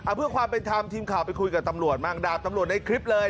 เพื่อความเป็นธรรมทีมข่าวไปคุยกับตำรวจบ้างดาบตำรวจในคลิปเลย